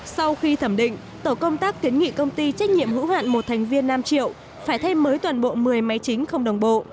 sau khi thẩm định tổ công tác kiến nghị công ty trách nhiệm hữu hạn một thành viên nam triệu phải thay mới toàn bộ một mươi máy chính không đồng bộ